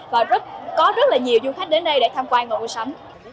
và có rất là nhiều du khách đến đây để tham quan và mua sắm